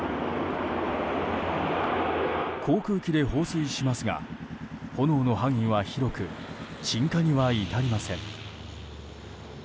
航空機で放水しますが炎の範囲は広く鎮火には至りません。